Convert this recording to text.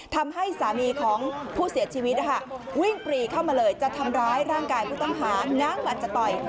ทำให้สามีของผู้เสียชีวิตวิ่งปรีเข้ามาเลยจะทำร้ายร่างกายผู้ต้องหาง้างมันจะต่อย